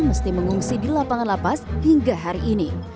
mesti mengungsi di lapangan lapas hingga hari ini